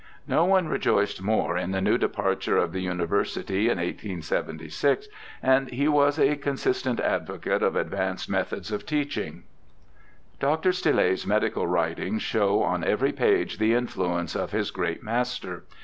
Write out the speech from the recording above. No one rejoiced more in the new departure of the University in 1876, and he was a consistent advocate of advanced methods of teaching. Dr. Stille's medical writings show on every page the influence of his great master.